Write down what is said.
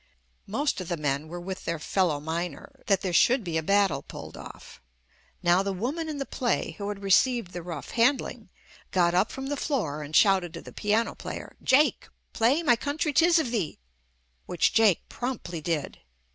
Most of the men were with their fellow min er, that there should be a battle pulled off. JUST ME Now the woman in the play, who had received the rough handling, got up from the floor and shouted to the piano player, "Jake, play 'My Country 'Tis of Thee/ " which Jake promptly did.